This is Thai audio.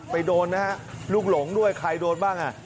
โดนนะฮะลูกหลงด้วยใครโดนบ้างอ่ะ